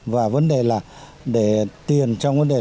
và vấn đề là để tiền trong vấn đề